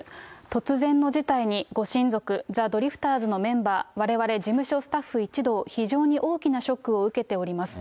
突然の事態にご親族、ザ・ドリフターズのメンバー、われわれ事務所スタッフ一同、非常に大きなショックを受けております。